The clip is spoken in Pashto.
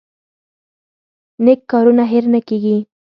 نیک کارونه هیر نه کیږي